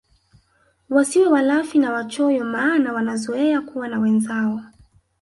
Wasiwe walafi na wachoyo maana wanazoea kuwa na wenzao